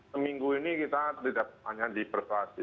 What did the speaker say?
seminggu ini kita tidak hanya dipersuasi